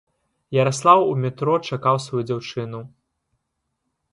Яраслаў у метро чакаў сваю дзяўчыну.